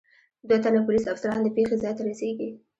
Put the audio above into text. دو تنه پولیس افسران د پېښې ځای ته رسېږي.